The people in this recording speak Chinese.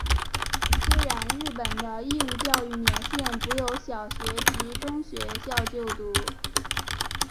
虽然日本的义务教育年限只有小学及中学校就读。